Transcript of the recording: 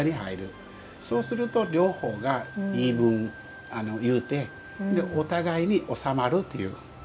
そうすると両方が言い分言うてお互いに収まるという。